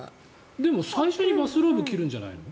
でも最初にバスローブを着るんじゃないの？